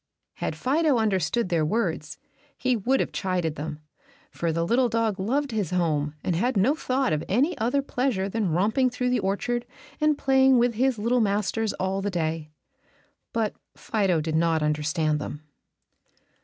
Had Fido understood their words he would have chided them, for the little dog loved his home and had no thought of any other pleasure than romping through the orchard and playing with his little masters all the day. But Fido did not understand them.